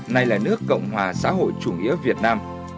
nay là nước cộng hòa xã hội chủ nghĩa việt nam